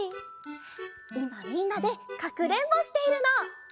いまみんなでかくれんぼしているの。